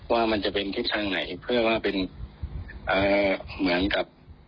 ว่ามันจะเป็นทิศทางไหนเพื่อว่าเป็นเหมือนกับ